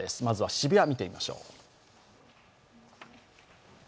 まずは渋谷、見てみましょう。